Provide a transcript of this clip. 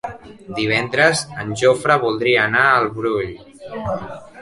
Divendres en Jofre voldria anar al Brull.